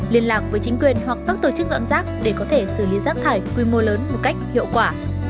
liên lạc với chính quyền hoặc các tổ chức dọn rác để có thể xử lý rác thải quy mô lớn một cách hiệu quả